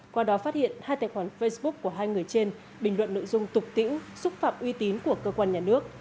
qua đó phát hiện hai tài khoản facebook của hai người trên bình luận nội dung tục tĩnh xúc phạm uy tín của cơ quan nhà nước